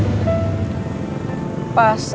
pas aku masih umur dua belas tahun